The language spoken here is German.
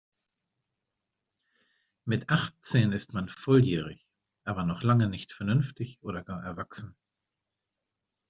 Mit achtzehn ist man volljährig, aber noch lange nicht vernünftig oder gar erwachsen.